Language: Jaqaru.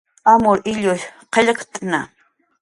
Amur illush qillqt'ma